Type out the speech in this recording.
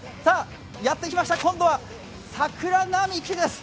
やってきました、今度は桜並木です。